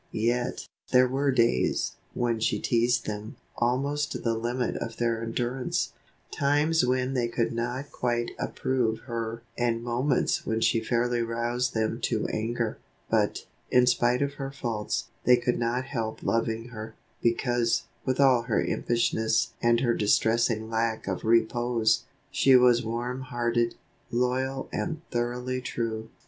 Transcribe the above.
Yet, there were days when she teased them almost to the limit of their endurance, times when they could not quite approve her and moments when she fairly roused them to anger; but, in spite of her faults, they could not help loving her, because, with all her impishness and her distressing lack of repose, she was warm hearted, loyal and thoroughly true.